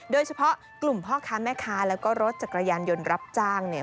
โดยเฉพาะกลุ่มพ่อค้าแม่ค้าแล้วก็รถจักรยานยนต์รับจ้างเนี่ย